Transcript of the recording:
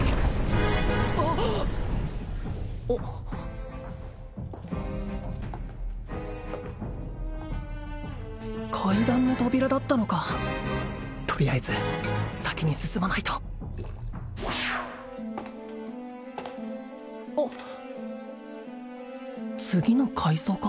あ階段の扉だったのかとりあえず先に進まないとあ次の階層か？